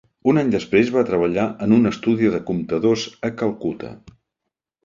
Un any després va treballar en un estudi de comptadors a Calcuta.